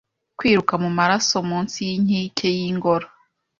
Kwiruka mumaraso munsi yinkike yingoro